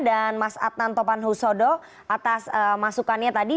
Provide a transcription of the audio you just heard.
dan mas adnan topan husodo atas masukannya tadi